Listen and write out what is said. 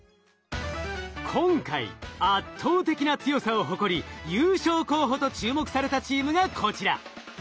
今回圧倒的な強さを誇り優勝候補と注目されたチームがこちら。